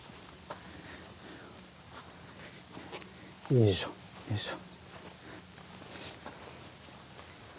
よいしょよいしょ。